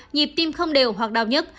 nhịp tim không đều hoặc đau nhất